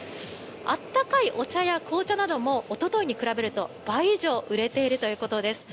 温かいお茶や紅茶などもおとといに比べると倍以上売れているということです。